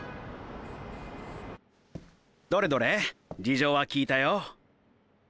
どれどれ事情は聞いたよ。